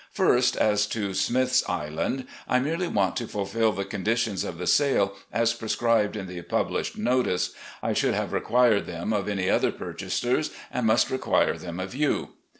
" First, as to Smith's Island, I merely want to fulfil the conditions of the sale as prescribed in the published notice. I should have required them of any other purchasers, and must require them of you.